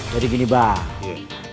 jadi gini bang